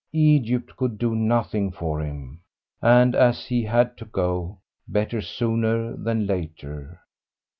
Egypt could do nothing for him, and as he had to go, better sooner than later.